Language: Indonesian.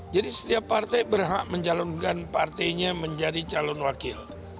setiap partai berhak menjalankan partainya menjadi calon wakil